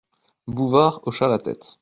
Bouvard hocha la tête.